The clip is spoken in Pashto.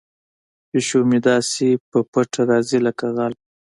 پیشو مې داسې په پټه راځي لکه غل.